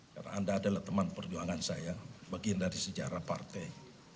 karena anda adalah teman perjuangan saya bagi dari sejarah partai